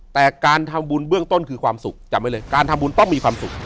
แต่การทำบุญเบื้องต้นคือความสุขจำไว้เลยการทำบุญต้องมีความสุข